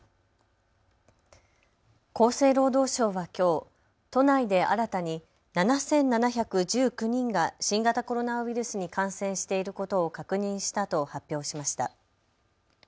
厚生労働省はきょう都内で新たに７７１９人が新型コロナウイルスに感染していることを確認したと発表しました。